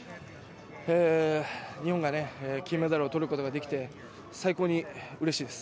日本が金メダルを取ることができて、最高にうれしいです。